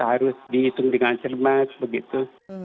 harus dihitung dengan cermat begitu